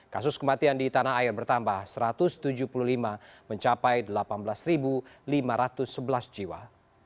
kasus kematian di tanah air bertambah satu ratus tujuh puluh lima mencapai delapan belas lima ratus sebelas jiwa